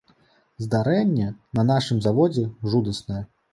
Здарэнне на нашым заводзе жудаснае.